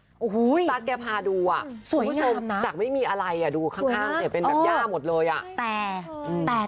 สวัสดีครับคุณผู้ชมจากไม่มีอะไรดูข้างเสร็จเป็นแบบหญ้าหมดเลย